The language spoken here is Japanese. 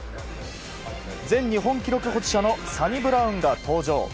全日本記録保持者のサニブラウン選手が登場。